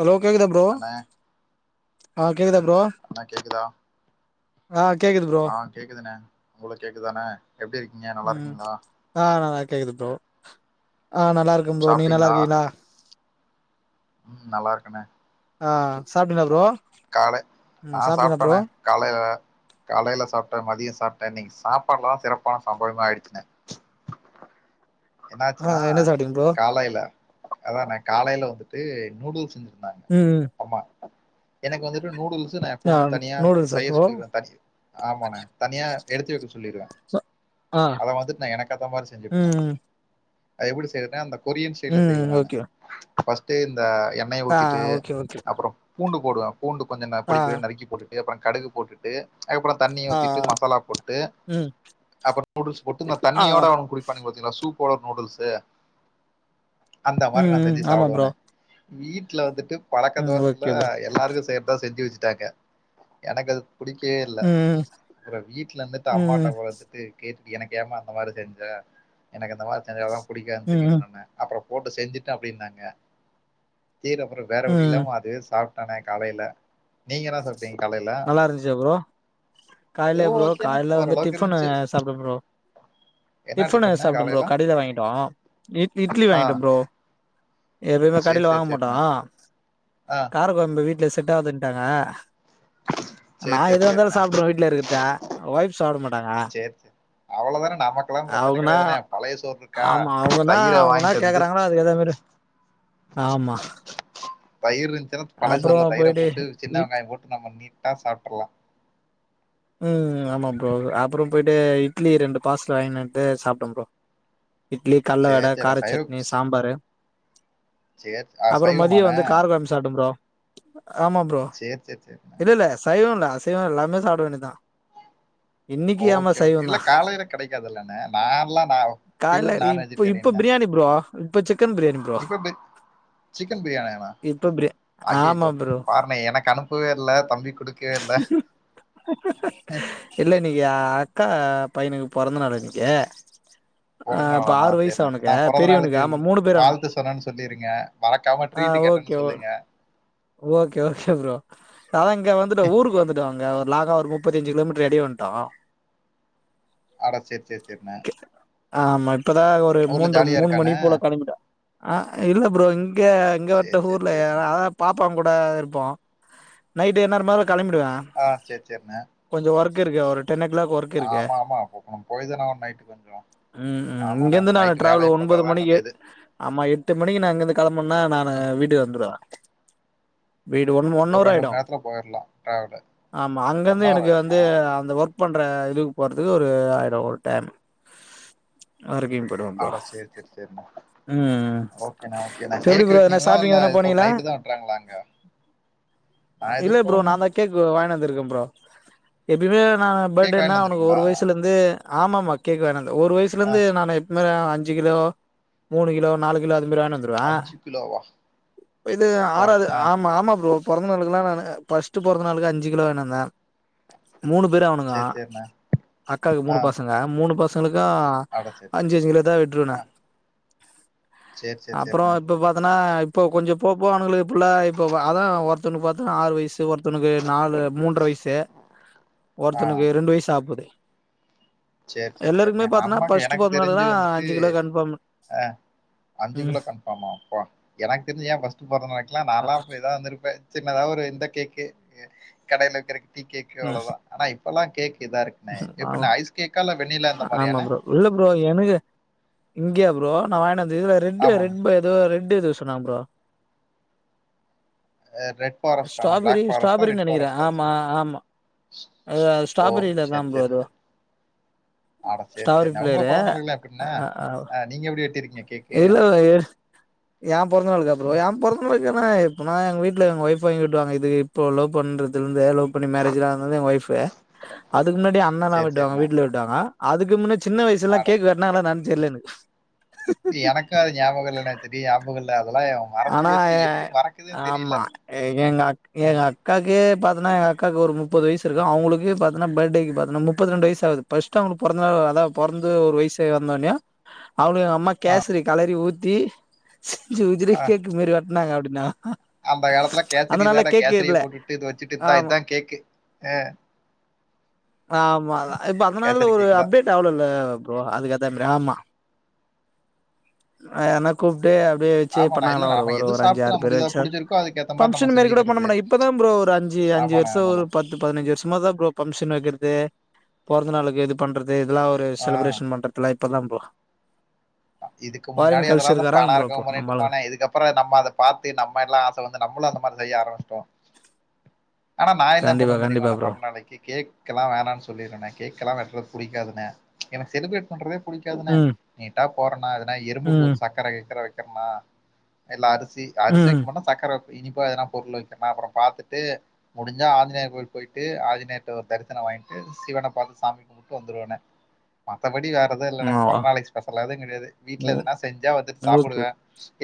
Hello கேக்குதா bro அண்ணே ஆ கேக்குதா ப்ரோ ஆ கேக்குதா ஆ கேக்குது ப்ரோ கேக்குதுனெ உங்களுக்கு கேக்குதானே எப்டி இருக்கீங்க நல்லா ம் இருக்கீங்களா ஆ நல்லா கேக்குது ப்ரோ ஆ நல்லா இருக்கே ப்ரோ நீங்க நல்லா சாப்ட்டீங்களா இருக்கீங்களா உம் நல்லா இருக்கண்ணெ ஆ சாப்ட்டீங்களா ப்ரோ காலை ம் நா சாப்ட்டீங்களா ப்ரோ சாப்ட்டனே காலைல காலைல சாப்ட்டே மதிய சாப்ட்டே இன்னிக் சாப்பாட்லா சிறப்பான சம்பவமா ஆயிடுச்சுனே ஆ என்னாச்சுனா என்ன சாப்ட்டீங்க ப்ரோ காலைல அதா நா காலைல வந்துட்டு நூடுல் செஞ்சிருந்தாங்க ம் ம் ஆமா எனக்கு வந்துட்டு நூடுல்ஸ் தி நா ஆ எப்பவுமே தனியா நூடுல்ஸா செய்ய ப்ரோ சொல்லிருவே தனியா ஆம்மாமே தனியா எடுத்து வைக்க சொல்லிருவே ஆ அத வந்துட்டு நா எனக்கேத்த மாரி செஞ்சுப்பே நானு ம் அது எப்டி செய்வனா அந்த கொரியன் ஸ்டைல்ல செய்வ ம் நானு ஓகே ஃபர்ஸ்ட்டே இந்த எண்ணய ஆ ஊத்திட்டு ஓகே ஓகே அப்பறோ பூண்டு போடுவ பூண்டு கொஞ்ச ந ஆ பொடி பொடியா நறுக்கி போட்டுட்டு அப்பறோ கடுகு போட்டுட் டு அதுக்கப்பறோ தண்ணிய ஆ ஊத்திட்டு மசாலா போட்டு ம் அப்பறோ நூடுல்ஸ் போட்டு இந்த ஆ தண்ணியோட அவனுங் குடிப்பாணுங்க பாத்தீங்களா சூப்போட நூடுல்ஸ்சு அந்த மாரி ம் நா ம் செஞ்சு ஆமா ப்ரோ சாப்டுவனே வீட்ல வந்துட்டு பழக்க ம் தோசத்துல ஓகே ப்ரோ எல்லாருக்கு செய்றதா செஞ்சு வெச்சு ட்டாங்க எனக்கு அது புடிக்கவே இல்ல ம் [unintelligible] வீட்ல இருந்துட்டு அம்மாட்ட ம் [unintelligible] து கேட்டுட் எனக்கு ஏமா அந்த மாரி செஞ்ச அதல்லா செஞ்சால்ல புடிக்காதுன் ம் ம் தெரியும்லனே அப்பறோ போட்டு செஞ்சுட்ட அப்டின்னாங்க சேரி அப்றோ வேற ம் வழியில்லாம அதுவே சாப்ட்டனே காலைல நீங்க என்னா சாப்ட்டேங்க காலைல நல்லா இருந்துச்சா ப்ரோ ஏதோ காலைலயா ப்ரோ ஓகேண்ணே காலைல வந்து ஓரளவுக்கு இருந்துச்சு டிஃபனு சாப்படே ப்ரோ என்ன டிஃபனு டிஃபன்னு சாப்ட ப்ரோ காலையில கடைல வாங்கிட்டோ நேத் இட்லி ஆ வாங்கிட்ட ப்ரோ எப்பயுமே சேரி கடைல சேரி வாங்க மாட்டோ சேரிண்ணே ஆ கார கொழம்பு வீட்ல செட் ஆகாதுன்ட்டாங்க நா சேரி சேரி எதுவா இருந்தாலு சேரிண்ணே சாப்டுருவே வீட்ல இருக்கிறத ஒய்ஃப் சாப்ட மாட்டாங்க அவ்ளோதானே நமக்கெல்லா பிரச்சனை அவுங்கன்னா கெடையாதுனே பழைய சோறு இருக்கா தயிர வாய்ன்ட்டந்து [unintelligible] ஆம்மா தயிர் இருந்துச்சுனா பழயசோறுல தயிர போயிட்டு போட்டு சின்ன இட் வெங்காய போட்டு நம்ம நீட்டா சாப்ட்ரல்லா உம் ஆமா ப்ரோ அப்பறோ போயிட்டு இட்லி ரெண்டு பார்சல் வாங்கின் வன்ட்டு சாப்ட ப்ரோ இட்லி கல்ல வட சேரி சேரி சைவ காரச்சட்னி சாம்பாரு சேரி ஆ அப்பறோ மதிய சைவமாண்ணே வந்து கார குழம்பு சாப்ட்ட ப்ரோ ஆமா ப்ரோ சேரி சேரி சேரிண்ணே இல்ல இல்ல சைவ இல்ல அசைவோ எல்லாமே சாப்டு வேண்டி தா இன்னிக்கு யாமா சைவந்தா கெடைக்காதுல்லன நான்லா நா காலைல ப்யூர் நான் இப்ப இப்ப வெஜிடேரியன் தா பிரியாணி ப்ரோ இப்ப சிக்கன் பிரியாணி ப்ரோ [unintelligible] சிக்கன் பிரியாணியேனா இப்ப பிரியா ஆமா ஐய்யய்யோ ப்ரோ பாருனே எனக்கு அனுப்பவே இல்ல தம்பிக் குடுக் [unintelligible] இல்ல இன்னிக்கு அக்கா பையனுக் பொறந்த நாள் இன்னிக்கு பொறந்தநாளானா சேர் நா சேர் நா பொறந்த பெரியவனுக்கு நாளுக்கு ஆமா மூணு பேர் அவனு வாழ்த்து சொன்னேன் சொல்லிருங்க மறக்காம ஆ ட்ரீட்டு ஓகே கேட்டன் ஓ சொல்லுங்க ஓகே ஓகே ப்ரோ அதா இங்க வந்துட்டு ஊருக்கு வந்துட்டோங்க ஒரு லாங்கா ஒரு முப்பத்தஞ்சு கிலோமீட்டர் எடிய வன்ட்டோ அட சேர் சேர் சேர்ன ஆ ஆமா இப்பதா அது ஒரு மூன்ற ஜாலியா மூணு மணி இருக்கானே போல கெளம்பிடே அ இல்ல பரோ இங்க இங்க சரி சரி சரிண்ணே [unintelligible] பாப்பங் கூட இருப்போ நைட்டு என்நேரமானாலு கெளம்பிடுவே ஆ சேர் சேர்ண்ண கொஞ்ச ஒர்க இருக்கு ஒரு டென் ஓ க்ளாக் ஒர்க் இருக்கு ஆமாம்மா போ போய் தானா ஆகணு நைட்டுக்கு கொஞ்சோ உம்ம் இங்கிருந்து நான் டிரராவல் ஒன்பது மணிக்கு கொஞ்சம் இது ஆமா எட்டு மணிக்கு நா இங்கந்து கெளம்பனா நான் ம் வீட்டுக்கு வந்துடுவே வீடு ஒன் ஒன் ஒரு அவர் ரெண்டு மணி ஆயிடும் நேரத்துல போயிடலாம் டிராவலு ஆமா ஒன் அங்கிருந்து ஹவர் எனக்கு வந்து ஆயிருமா அந்த ஒர்க் ஒர்க் பண்ற இதுக்கு போறதுக்கு ஒரு ஆயிர ஒரு டைம் வரைக்கு போயிடுவே ப்ரோ அட சேரி சேரி சேரிண்ணே ம் ஓகே ஓகே எப்டி கேக் ப்ரோ எதனா வெட்டுனீங்ளா ஷாப்பிங் இல்ல எதனா இதுக்கப் போனீங்களா நைட்டு தா வெட்றாங்ளா அங்க இல்ல ப்ரோ நா தா கேக் வாங்கி வந்திருக்கேன் ப்ரோ எப்பயுமே நா கேக் பட்டேனா வாங்கிட்டு அவனுக்கு ஒரு வந்துடுறீங்களா வயசுல இருந்து ஆமாமா கேக் வேணன்ட ஒரு வயசுல ஆ இருந்து நானு இது மாரினா அஞ்சு கிலோ மூணு கிலோ நாலு கிலோ அதுமாரி வாங்கின்வந்ரு அஞ்சு கிலோவா இ வா ஆறாவது ஆ ஆமா ஆமா ப்ரோ பொறந்த நாளுக்கெல்லா நானு ஃபஸ்ட் பொறந்த நாளுக்கு அஞ்சு கிலோ வாங்கிட்டு வந்தே மூணு பேரு அவனுங்க சரி சரிண்ணே அக்காக்கு மூணு ஆ பசங்க மூணு பசங்களுக்கு அட சரி சரி. அஞ்சு அஞ்சு கிலோதா வெட்ருவனே ஆ. சரி, சரி, அப்றோ சரிண்ணே. இப்ப பாத்தன்னா இப்போ கொஞ்சோ போவ போவ அவனுங்களு புள்ள இப்போ அதான் ஒர்த்தனுக்கு பாத்தா ஆறு வயசு ஒர்த்த ஒருத்தனுக்கு நாலு மூன்ற வயசு ஒருத்தனுக்கு ரெண்டு வயசு ஆவ்போது சேர் சேர் சேர்னே நம்மக்கு ஃபர்ஸ்ட் எனக்கு தெரிஞ்சு பொறந்தநாளுதா வந்துட்டு அஞ்சு கிலோ கன்ஃபார்ம் அ அஞ்சு ம் கிலோ கன்ஃபாமா அப்பா எனக்கு தெரிஞ்ச ஏன் ஃபஸ்ட் பொறந்த நாளிகெல்லா அ- நாலாம் அப்ப இத இர்ந்துர்பே சின்னதா ஒரு இந்த கேக்கு கடையில விக்கற டீ கேக்கு ம் அவ்ளோதா ஆனா இப்பல்லா கேக் இதா இருக்கு ஆமா எப்டினே ஐஸ் கேக்கா இல்ல வெண்ணிலா இந்த ஆமா மாரியான்னே ப்ரோ இல்ல ஃப்ரோ எனக்கு இங்யா ஃப்ரோ நான் வாயின வந்த இதுல ரெட்டு ஆமாண்ணே. ரெட் இது ரெட் ஏதோ சொன்னா ஃப்ரோ அ ரெட் ஃபாரஸ்ட்டாண்ணே? ஸ்ட்ராபெரி பிளாக் ஃபாரஸ்ட்டா? ஸ்ட்ராபெரினு ரெட் நெனைக்கிறே ஃபாரஸ்ட்டா? ஆமா ஆமா அது ஸ்ட்ராபெரில தா சேர் ப்ரோ அது சேர் ஆடா சேர் ஸ்ட்ராபெரி சேரின உங்க கொழந்தைகள் நா எப்டின்னெ அ நீங்க எப்டி வெட்டிருக் எல்லா எ என் பொறந்த நாளுக்கா ஃப்ரோ ம். எப்பனா எங்க வீட்டுல எங்க ஒய்ஃப் வாங்கி வெட்டுவாங்க இது பலோ பண்றதுல இருந்தே லோப் பண்ணி மேரேஜ்லாம் இருந்த என் ஒய்ஃபு அதுக்கு முன்னாடி அண்ணெலாம் சரி, வெட்டுவாங்க சரிண்ணே. வீட்ல வெட்டுவாங்க அதுக்கு முன்ன சின்ன வயசு எல்லாம் அட கேக்கு வெட்னாங்களா நான் தெர்ல எனக்கு எனக்கு அது ஞாபகம் இல்லன்னே தெரி ஞாபகல்ல அதெல்லாம் மறந்து ஆனா போச்சு எப்டி மறக்குதுன்னு தெரியல அ அக்காகே பாத்னா எங்கக்காக்கு ஒரு முப்பது வயசு இருக்கும் அவுங்களுக்கு பாத்தனா பட்டேக்கு பாத்தன்னா முப்பத்திரெண்டு வயசாவுது பஸ்ட் அவனுக் பொறந்த நாள் அத பொறந்து ஒரு வயசு வந்தொனே அவரே அம்மா அ, கேசரி கலறி ஊத்தி செஞ்சு உதிரி அ. கேக்கு மேரி வெட்டனாங்க அப்டின்னாங்க அந்த காலத்துல கேசரி அதனால தான கேக்கு இல்ல கேசரிய போட்டுட்டு இது வச்சுட்டு இந்தா ஆமா இதான் கேக்கு ஏ ஆ ஆமா இப்ப அதனால கேசரி ஒரு கேக்கு தான். அப்டேட் ஆவ்ள இல்ல ஃப்ரோ அதுக்கேத்த மாரியே ஆமா ஆ எனா கூப்ட்டு அப்டியே சேர் ஆமாண்ணா. பண்ணாங்களா இல்ல ஒரு நாம எது ஒரு அஞ்சு சாப்பிட்டு ஆறு பேர நமக்கு இதா வச்சு புடிச்சிருக்கோ அதுக்கேத்த மாரி நம்ம பங்க்ஷன் மெரிகூட பண்ண செஞ்சுக்கிறது. மாட்டாங்க இப்பதான் ஃபரோ ஒரு அஞ்சு ஜி அஞ்சு ஆமாண்ணே, வருஷோம் ஒரு ஆமாண்ணே. பத்து பதினஞ்சு வருஷமா தான் ஃப்ரோ பங்ஷன் வெக்கற்து பொறந்த நாளுக்குக்கு இது பண்றது இதெல்லா ஆ. செலிப்ரேஷன் பண்றதெல்ல இப்பதா ப்ரோ இதுக்கு முன்னாடி ஃபாரின் அதெல்லா கல்ச்சருக்கு வராங்க பணம் ப்ரோ இருக்கவ இப்போ பண்ணிட்டு நம்ம ஆளுங்க இருபான்ல எதுக்க அப் அப்றோ நம்ம அத பாத்து நம்ம எல்லாம் ஆச வந்து நம்ளும் அந்தமாரி செய்ய ஆரம்பிச்சிட்டோ ஆனா நா என்ன கண்டிப்பா பண்ணுவே கண்டிப்பா தெரியுமானா ப்ரோ பொறந்த நாளைக்கி கேக் கேக்கெல்லா வேனான்னு சொல்லிருந்தே கேக்ல்லா வெட்டுறது பிடிக்காதுனே எனக்கு செலிப்ரேட் பண்றதே பிடிக்காதுனே ம் ட்டா போறனா எதுனா எறும்புக்கு ம் ஒரு சக்கர கிக்கர வைக்கர்னா இல்ல அரிசி அரிசி வைக்க ம் மாட்ட சக்கர இனிப்பா எதுனா பொருள் வைக்கிறனா அப்புற பாத்துட்டு முடிஞ்சா ஆஞ்சநேயர் கோவில் போயிட்டு ஆஞ்சநேயர்ட்ட ஒரு தரிசனோ வாங்கிட்டு சிவன பாத்து சாமி விட்டு வந்துருவேங்க மத்தபடி வேறெது இல்லடா பொறந்த நாளைக்கு ஸ்பெஷலா எது கெடையாது வீட்டுல ம் எதுனா செஞ்சா வந்துட்டு ஓகே சாப்டுவே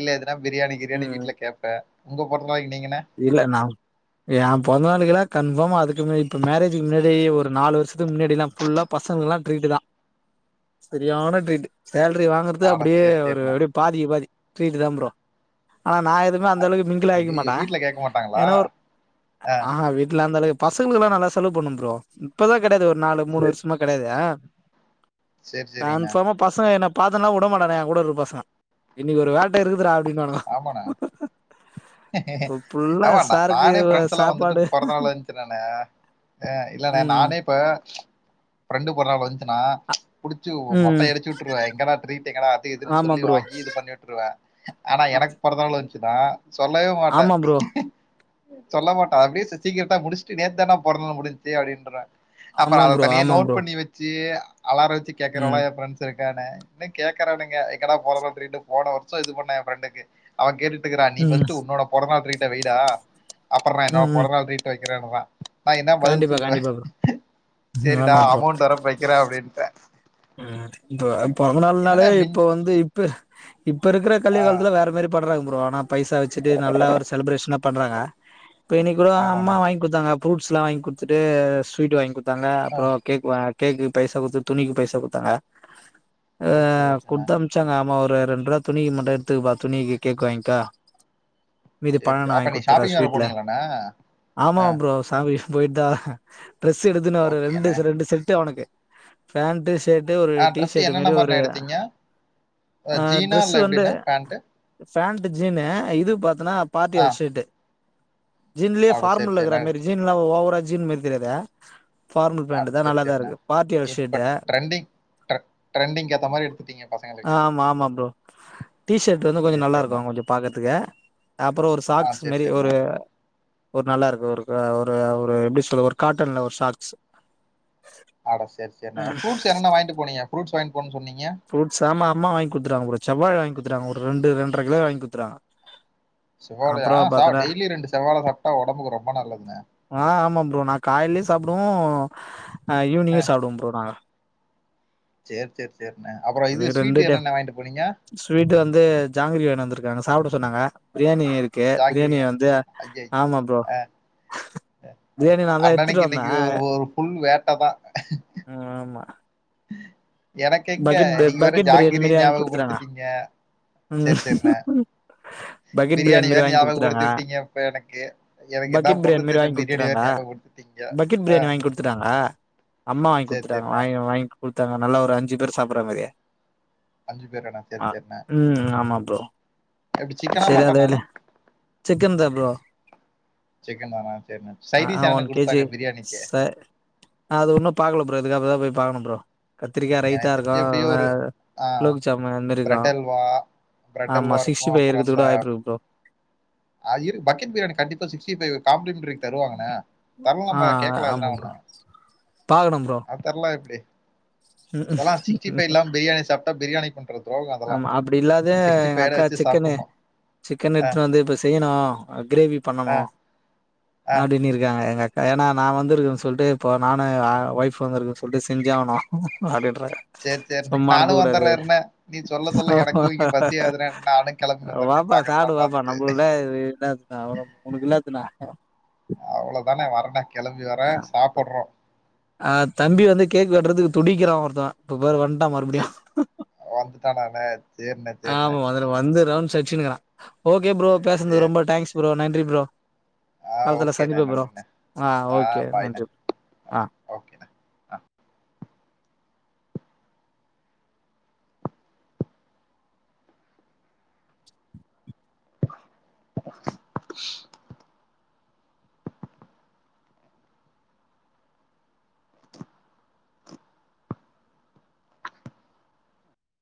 இல்ல எதுனா பிரியாணி கிரியாணி ம் வீட்ல கேப்பே உங்க பொறந்தநாளைக்கு நீங்கங்க இல்ல நா ஏன் பொறந்தநாளுக்கு தா கன்ஃபார்ம் அதுக்கு முன்னாடி இப்ப மேரேஜுக்கு முன்னாடி ஒரு நாலு வர்ஷத்துக்கு முன்னாடி எல்லா ஃபுல்லா பசங்க எல்லா ட்ரீட்டு தா செரியான ட்ரீட்டு சேலரி வாங்கறது அட அப்டியே சரி ஒரு சரிண்ணே. எப்டி பாதிக்கு பாதி ட்ரீட்டு தா ப்ரோ ஆனா நா எதுவுமே அந்த அளவுக்கு மிங் ஐயையயோ வீட்ல கேக்க மாட்டாங்க ஏனா ஒரு ஆஹா வீட்ல அந்த அளவுக்கு பசங்களுக்கு எல்லா நாலா செலவு பண்ணு ப்ரோ இப்பதா கெடையது ஒரு நாலு மூணு சரி. வருஷ்மா கெடையாதே சரி, சரிங்கண்ணா. கன்ஃபாமா பசங்க என்ன பாத்தனா உடமாட்டானுங்க எ கூட இருக்கற பசங்க இன்னைக்கு ஒரு வேட்ட இருக்குதுறா அப்டினு வானுங்கோ ஆமாண்ணா ஃபுல்லா ஆமாண்ணா சாருக்கு நானே ஃப்ரெண்ட்ஸ் எல்லா வந்துட்டு சாப்பாடு பொறந்தநாள் வன்ச்சுனானே அ இல்லண்ணா ம் நானே இப்ப ஃப்ரெண்டு பொறந்தநாளு வந்துச்சுன்னா புடிச்சு ம் மொட்டை அடிச்சி வுட்டுருவே எங்கனா ட்ரீட் எங்கனா அது இதுன் ஆமா சொல்லி ப்ரோ வாங்கி இது பண்ணி வுட்டுருவே ஆனா எனக்கு பொறந்த நாளு வந்ச்சுனா சொல்லவே மாட்ட ஆமா ப்ரோ சொல்ல மாட்ட அப்டியே சி சீக்கிரெட்டா முடிச்ட்டு நேத் தான்டா பொறந்த நாளு முடிஞ்ச்சி அப்டின்ருவே அப்ப ஆமா அத ப்ரோ தனியா ஆமா நோட் ப்ரோ பண்ணி வச்சி அலார வச்சி கேக்கறவ எல்லா ம் எ ஃப்ரெண்ட்ஸ் இருக்கானே இன்னு கேக்கறானுங்க எங்கடா பொறந்நாள் ட்ரீட்டு போன வர்ஷோ இது பண்ண எ ஃப்ரெண்டுக்கு அவ கேட்டுட்டு இக்குறா நீ ம் ஃபஸ்ட் உன்னோட பொறந்த நாள் ட்ரீட்ட வைடா அப்புற என்னோட ம் ம் பொறந்த நாள் ட்ரீட் டு வெக்கிறனுவே நா என்ன பதில் கண்டிப்பா சொல்லுவே கண்டிப்பா ப்ரோ ம் செரிடா ஆமா ப்ரோ அமௌன் வரப்ப வைக் கிற அப்டின்ட ம் இப்ப பொறந்த நாள்னாலே மிஞ் இப்ப வந்து இப்ப இப்ப இருக்கற கலி ஆ காலத்துல வேற மாரி பண்றாங்க ப்ரோ ஆனா பைசா வச்சிட்டு நல்ல ஒரு செலப்ரேஷ்னா பண்றாங்க இப்ப இன்னிக் கூட அம்மா ஆமாண்ணே வாய்ங் குட்த்தாங்க ஃப்ரூட்ஸ்லா வாய்ங் குடுத்துட்டு ஸ்வீட் வாய்ங் குடுத்தாங்க ஆ அப்புறோ கேக் வ கேக்கு பைசா குடுத்து துணிக்கு பைசா குட்த்தாங்க அ ஓகே ஓகேண்ணே குட்த் அம் சாங்க ஆமா ஒரு ரெண்ரூவா துணிக்கு மட்டு எட்த்துக்குப்பா துணி கேக் வாய்ங்க்க மீது சேரி பண சே நா அப்ப வாய்ங் நீங்க குட்த்துறே ஷாப்பிங் வேற ஸ்வீட்ல போனீங்களாண்ணே ஆமா ஆ ப்ரோ ஃபேமிலி போய்ட்டா ட்ரெஸ் எடுத்துன்னு ஒரு ரெண்டு ஓகேண்ணே ரெண்டு செட்டு அவனுக்கு பேண்ட்டு து ஒரு ஆ டி ட்ரெஸ் ஷர்ட் என்னென்ன மேரி ஒரு மாரிண்ணே எடுத்தீங்க அ ஜீனா டிரஸ் இல்ல வந்து எப்டிண்ணே பேண்ட்டு பேண்ட்டு ஜீனு இது பாத்தனா ஆ பார்ட்டியல் ஷேட்டு ஜீன்லே அவ்ளோ சேரி ஃபார்மலா இக்கற சேரிண்ணே மாரி ஜீன்ல ஓவரா ஜீன் மாரி தெரியாது ஃபார்மல் ஆ பேண்ட் தா சேரி நல்லாதா இருக்கு பார்ட்டி வேர் ஷேட்டு கரெக்ட் ஆமா ஆமா ப்ரோ டிஷர்ட் வந்து கொஞ்ச சேரி நல்லா சேரிண்ணே இருக்கு கொஞ்ச பாக்கறதுக்கு அப்புறோ ஒரு ஆ சாக்ஸ் சேரி மேரி சேரிண்ணே ஒரு ஒரு நல்லா இருக்கு ஒரு அ ஒரு ஒரு எப்டி சொல்ல ஒரு காட்டன்ல ஒரு ஷாக்ஸ் ஆட செரி செரிண்ண ஃப்ரூட்ஸ் என்ன என்ன வாய்ன்ட்டு போனீங்க ஃப்ரூட்ஸ் வாய்ன்ட்டு போனுன் சொன்னீங்க ஃப்ரூட்ஸ் ஆமா அம்மா வாங்கி குட்த்துட்டாங்க ப்ரோ செவ்வாழ வாய்ங் குட்த்துடாங்க ஒரு ரெண்டு ரெண்டர கிலோ வாய்ங் குட்த்துருவாங்க செவ்வாழையா சா டெய்லி ரெண்டு செவ்வாழ சாப்ட்டா ஒடம்புக்கு ரொம்ப நல்லதுங்க அ ஆமா ப்ரோ நா காய்லையு சாப்டுவோ அ ஈவ்னிங்கு சாப்டுவோ ப்ரோ நாங்க செர் செர் செரிண்ண அப்புறோ இது ஸ்வீட்டு என்னென்ன வாங்கிட்டு போனீங்க ஸ்வீட்டு வந்து ஜாங்கிரி வாய்னு வந்திருக்காங்க சாப்ட சொன்னாங்க பிரியாணி இருக் கே பிரியாணி ஜாங்கிரியா வந்து ஐயய் ஆமா ப்ரோ பிரியாணி நா தா எடுத்துட்டு அண்ணனுக்கு வந்தே இன்னைக்கு ஒரு ஒரு ஃபுல் வேட்ட தா ம் ஆமா எனக்கெங்க பக்கெட் நீங்க வேற பக்கெட் பிரியாணி ஜாங்கிரி மாரி வாங்கி ஞாபகப் குடுத்துட்டாங்க படுத்துட்டீங்க ம் பக்கெட் பிரியாணி மாரி வேற வாங்கி குடுத்துட்டாங்க ஞாபகப்படுத்தி விட்டீங்க இப்ப எனக்கு எனக்கு என்ன பக்கெட் பிரியாணி பண்றது மாரி தெர்ல வாங்கி பிரியாணி குடுத்துட்டாங்க வேற ஞாபகப்படுத்திட்டீங்க பக்கெட் ஆ பிரியாணி வாங்கி குடுத்துட்டாங்க அம்மா வாங்கி சேரி குடுத்துட்டாங்க சேரிண்ணே வாங்கி வாங்கி குடு குடுத்தாங்க நல்லா ஒரு அஞ்சு பேர் சாப்பிறா மாரி அஞ்சு பேராண்ணே சேரி அ சேரிண்ணே ம் ஆமா ப்ரோ எப்டி சிக்கனா செரி அத மட்டனாண்ணே சிக்கன் தா ப்ரோ சிக்கன் தானா சேர்ணே ஆ சைடிஸ் என்னன்ன ஒன் கேஜி குடுத்தாங்க பிரியாணிக்கு ச அது ஒன்னு பாக்கல ப்ரோ இதுக்கப்பறந்தா போய் பாக்கணு ப்ரோ கத்திரிக்கா ரைத்தா எனக்கு இருக்கு தெரிஞ்சு எப்டியு ஒரு அ ஆ ஆ குலோப்ஜாம் அந்தமாரி இருக்கு பிரெட் அல்வா பிரெட் ஆமா அல்வா சிக்ஸ்டி இருக்கும் ஃபை இருக்கத்து கூட வாய்ப்பு இருக்கு ப்ரோ ஆ இரு பக்கெட் பிரியாணி கண்டிப்பா சிக்ஸ்டி ஃபை காம்ப்ளிமென்ட்ரி தருவாங்கண்ணா தரலனா ஆ நம்ம கேட்கலா ஆமா அதுனால ப்ரோ பாக்கணும் ப்ரோ என்ன தரலனா எப்டி அதெல்லா சிக்ஸ்டி ஃபை இல்லாம பிரியாணி சாப்ட்டா பிரியாணிக்கு பண்றது ஆமா அப்டி இல்லாத எங்க அக்கா வச்சு சிக்கனு சாப்பிடணும் சிக்கன் ஆ எடுத்துட் வந்து இப் செய்யணு கிரேவி ஆ பண்ணணு ஆ அப்டின்னு இருக்காங்க எங்க ஏனா நா வந்திருக்குன் சொல்லிட்டு இப்ப நானு ஒய்ஃப் வந்துருக்குன் சொல்லிட்டு செஞ்சே ஆகணு அப்டின்றாங்க சேர் சேர் சும்மா நானு அனுப்ப கூடாது வந்துர்றே இருண்ணே நீ சொல்ல சொல்ல எனக்கு இங்க பசி ஆகுதுண்ணே நானு கெளம்பி வந்தர்றேண்ணே வாப்பா பாக்குறதெல்லா பாத்துட்டு நானு உனக்கு இல்லாத்துணானே அவ்ளதாணே வரேண்ணே கெளம்பி வரே சாப்புடுறோ ஆ தம்பி வந்து கேக் வெட்டுறதுக்கு துடிக்கிறா ஒருத்தவே இப்ப பாரு வன்ட்டா மறுபடியும் வந்துட்டானாணே ஆமா வந்துடா வந்து ரவுண்ஸ் அடிச்சீனு இருக்கா ஓகே ப்ரோ பேசனதுக்கு சரி ரொம்ப டாங்க்ஸ் ப்ரோ நன்றி ப்ரோ ஆ களத்துல ஓகேண்ணே சந்திப்போ ப்ரோ நன்றிண்ணே ஆ ஓகே நன்றி ஆ ஓகேண்ணே ஆ [inaudible]